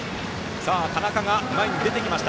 田中希実も出てきました。